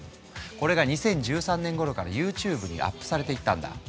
これが２０１３年ごろからＹｏｕＴｕｂｅにアップされていったんだ。